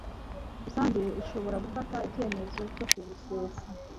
Rusange ishobora gufata icyemezo cyo kuwusesa